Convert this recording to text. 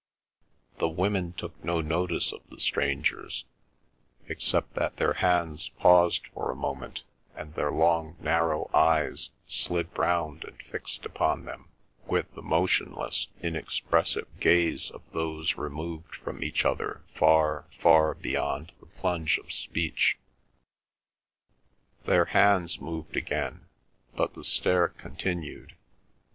The women took no notice of the strangers, except that their hands paused for a moment and their long narrow eyes slid round and fixed upon them with the motionless inexpressive gaze of those removed from each other far far beyond the plunge of speech. Their hands moved again, but the stare continued.